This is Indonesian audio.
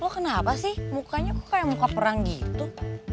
loh kenapa sih mukanya kok kayak muka perang gitu